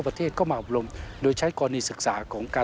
และมรดกทางวัฒนธรรมอื่นอื่นนะครับ